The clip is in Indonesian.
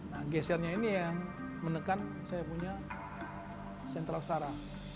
nah gesernya ini yang menekan saya punya sentral sara